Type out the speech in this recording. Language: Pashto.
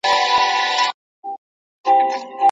ښوونکي په مسلکي ډول روزل کېږي ترڅو زده کوونکو ته خدمت وکړي.